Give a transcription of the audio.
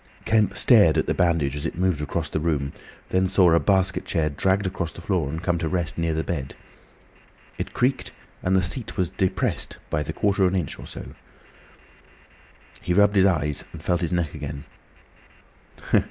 Kemp stared at the bandage as it moved across the room, then saw a basket chair dragged across the floor and come to rest near the bed. It creaked, and the seat was depressed the quarter of an inch or so. He rubbed his eyes and felt his neck again.